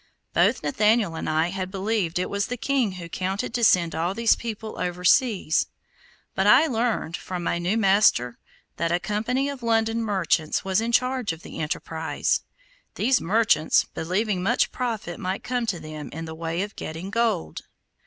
Both Nathaniel and I had believed it was the king who counted to send all these people overseas; but I learned from my new master that a company of London merchants was in charge of the enterprise, these merchants believing much profit might come to them in the way of getting gold.